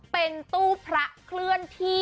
เป็นตู้พระเคลื่อนที่